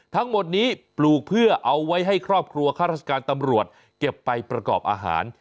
ทั้งหมดนี้ปลูกเพื่อเอาไว้ให้ครอบครัวข้าราชการตำรวจเก็บไปประกอบอาหาร